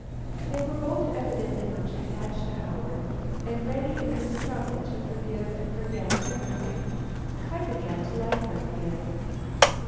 They were both evidently much attached to Howard, and ready in his trouble to forget and forgive everything. I began to like them again.